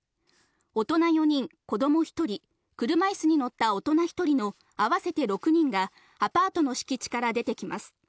大人４人、子ども１人、車いすに乗った大人１人の合わせて６人がアパートの敷地から出てきます。